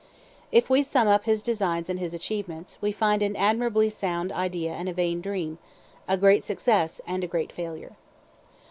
'" If we sum up his designs and his achievements, we find an admirably sound idea and a vain dream, a great success and a great failure.